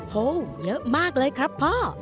โหเยอะมากเลยครับพ่อ